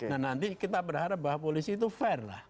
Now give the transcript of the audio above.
nah nanti kita berharap bahwa polisi itu fair lah